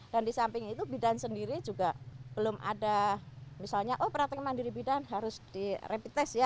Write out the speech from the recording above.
dan di samping itu bidan sendiri juga belum ada misalnya oh praktek mandiri bidan harus di rapid test ya